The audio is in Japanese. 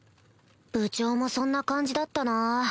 部長もそんな感じだったなぁ